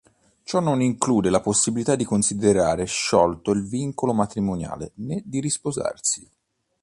Ciò non include la possibilità di considerare sciolto il vincolo matrimoniale né di risposarsi.